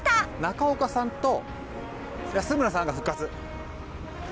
中岡さんと安村さんが復活。